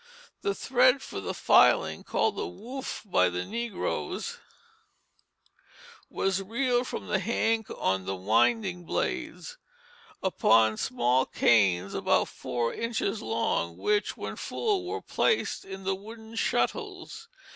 The thread for the filling (called the woof by the negroes) was reeled from the hank on the winding blades, upon small canes about four inches long which, when full, were placed in the wooden shuttles.